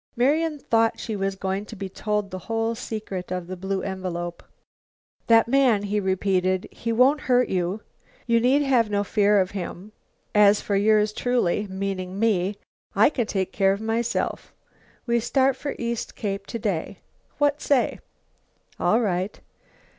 Marian thought she was going to be told the whole secret of the blue envelope. "That man," he repeated, "he won't hurt you. You need have no fear of him. As for yours truly, meaning me, I can take care of myself. We start for East Cape today. What say?" "All right."